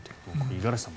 五十嵐さん